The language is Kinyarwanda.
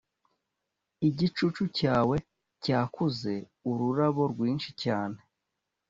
Igicucu cyawe cyakuze ururabo rwinshi cyane